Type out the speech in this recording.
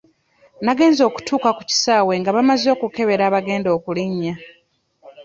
Nagenze okutuuka ku kisaawe nga bamaze okukebera abagenda okulinnya.